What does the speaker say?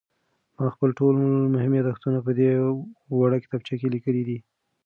ما خپل ټول مهم یادښتونه په دې وړه کتابچه کې لیکلي دي.